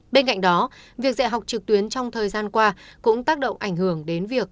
bên cạnh đó việc dạy học trực tuyến trong thời gian qua cũng tác động ảnh hưởng đến việc